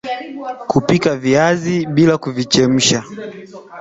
Kupika viazi bila kuvichemsha